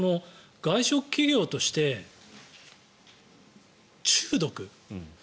外食企業として、中毒。